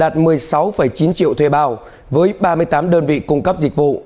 sáu chín triệu thuê bao với ba mươi tám đơn vị cung cấp dịch vụ